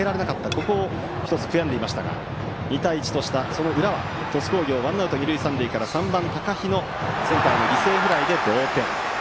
ここを１つ悔やんでいましたが２対１とした、その裏は鳥栖工業ワンアウト二塁三塁から３番、高陽のセンターへの犠牲フライで同点。